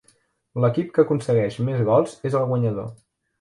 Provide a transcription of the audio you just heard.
L'equip que aconsegueix més gols és el guanyador.